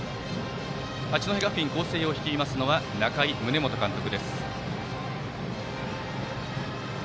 八戸学院光星を率いますのは仲井宗基監督です。